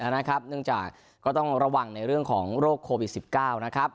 นะครับเนื่องจากก็ต้องระวังในเรื่องของโรคโควิดสิบเก้านะครับ